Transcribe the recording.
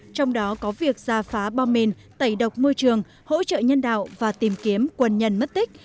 trong đó có việc ra phá bom mìn tẩy độc môi trường hỗ trợ nhân đạo và tìm kiếm quân nhân mất tích